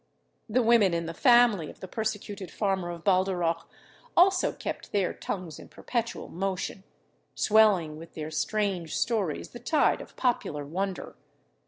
The women in the family of the persecuted farmer of Baldarroch also kept their tongues in perpetual motion; swelling with their strange stories the tide of popular wonder.